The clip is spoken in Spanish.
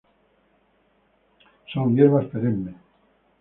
Son hierbas perennes.